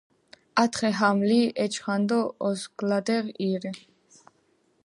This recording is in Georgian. ათხე ჰამ ლი, ეჩქანღო ისგლადეღ ირი.